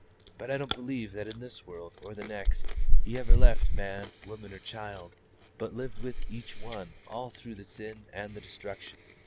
But I don't believe that in this world, or in the next, He ever left man, woman, or child, but lived with each one all through the sin and the destruction.